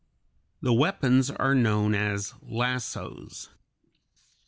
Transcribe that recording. ] The weapons are known as lassos (Fig.